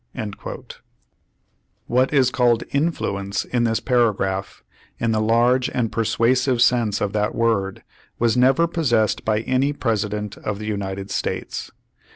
^ What is called "influence" in this paragraph, in the large and persuasive sense of that word was never possessed by any President of the United States.